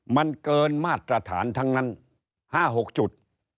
มันเกินมาตรฐานทั้งนั้น๕๖จุด